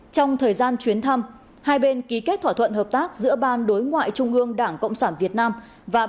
một mươi hai trong thời gian chuyến thăm hai bên ký kết thỏa thuận hợp tác giữa ban đối ngoại trung ương đảng cộng sản việt nam và ban liên hợp quốc